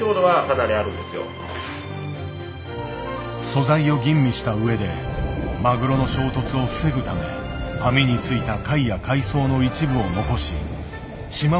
素材を吟味した上でマグロの衝突を防ぐため網に付いた貝や海藻の一部を残ししま